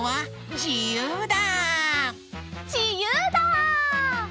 じゆうだ！